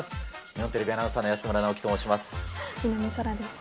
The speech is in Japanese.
日本テレビアナウンサーの安村直樹と申します。